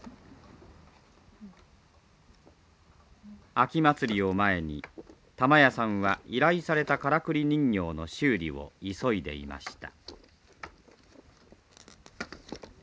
秋祭りを前に玉屋さんは依頼されたからくり人形の修理を急いでいました。